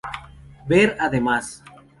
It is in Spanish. Ver además